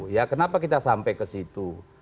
ya kenapa kita sampai ke situ